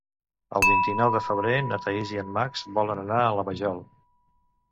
El vint-i-nou de febrer na Thaís i en Max volen anar a la Vajol.